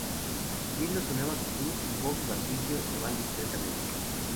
Viendo su nueva actitud, Bob y Patricio se van discretamente.